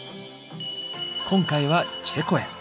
今回はチェコへ。